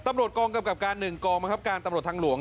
ตำรวจกรงกับกราศน์๑กรงบังคับการตำรวจทางหลวง